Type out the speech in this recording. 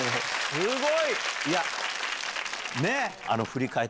すごい！